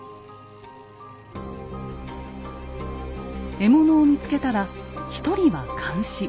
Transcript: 獲物を見つけたら一人は監視。